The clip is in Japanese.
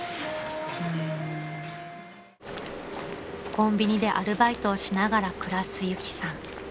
［コンビニでアルバイトをしながら暮らすユキさん］